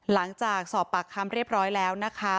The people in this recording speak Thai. หลังจากสอบปากคำเรียบร้อยแล้วนะคะ